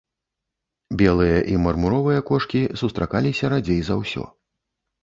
Белыя і мармуровыя кошкі сустракаліся радзей за ўсё.